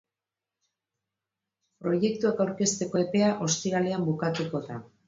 Proiektuak aurkezteko epea ostiralean bukatuko da.